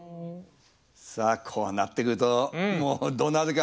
さあこうなってくるともうどうなるか。